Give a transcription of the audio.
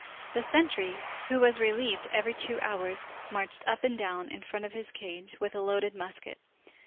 The sentry, who was relieved every two hours, marched up and down in front of his cage with loaded musket.